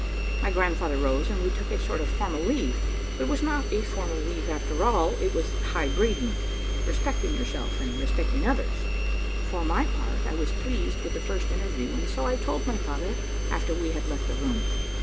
My grandfather rose, and we took a sort of formal leave; but it was not a formal leave, after all, it was high breeding, respecting yourself and respecting others. For my part, I was pleased with the first interview, and so I told my father after we had left the room.